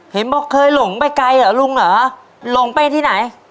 เห็นบอกเคยหลงไปไกลเหรอลุงเหรอหลงไปที่ไหน